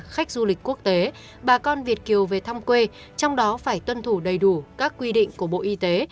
khách du lịch quốc tế bà con việt kiều về thăm quê trong đó phải tuân thủ đầy đủ các quy định của bộ y tế